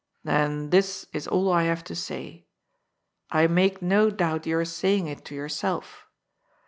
*^ Then this is all I have to say. I make no doubt you are saying it to yourself.